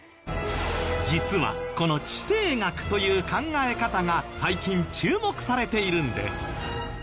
実はこの地政学という考え方が最近注目されているんです。